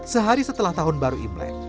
sehari setelah tahun baru imlek